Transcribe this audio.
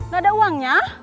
gak ada uangnya